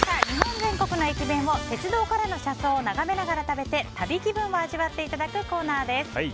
日本全国の駅弁を鉄道からの車窓を眺めながら食べて旅気分を味わっていただくコーナーです。